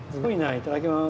いただきます。